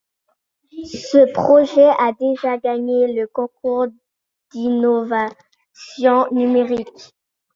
Ce projet a déjà gagné le Concours d'innovation numérique.